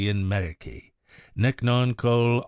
& Medici, nee non Coll.